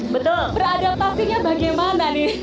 beradaptasinya bagaimana nih